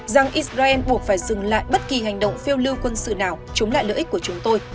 rằng israel buộc phải dừng lại bất kỳ hành động phiêu lưu quân sự nào chống lại lợi ích của chúng tôi